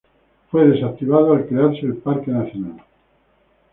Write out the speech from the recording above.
Fue desactivado al crearse el parque nacional.